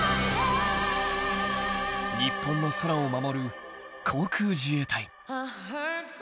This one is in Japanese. ［日本の空を守る航空自衛隊］